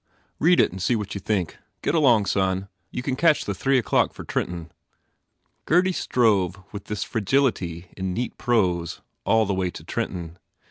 Read it and see what you think. Get going, son. You can catch the three o clock for Trenton." Gurdy strove with this fragility in neat prose all the way to Trenton.